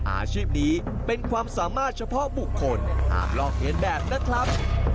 อาชีพนี้เป็นความสามารถเฉพาะบุคคลหากลอกเรียนแบบนะครับ